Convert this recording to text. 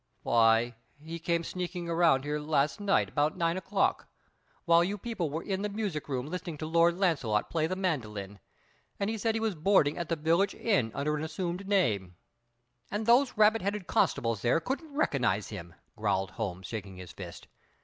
"Why, he came sneaking around here last night about nine o'clock while you people were in the music room listening to Lord Launcelot play the mandolin, and he said he was boarding at the village inn under an assumed name " "And those rabbit headed constables there couldn't recognize him!" growled Holmes, shaking his fist.